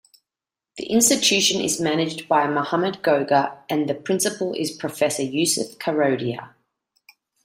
The institution is managed by Mohamed Goga and the principal is Prof. Yusuf Karodia.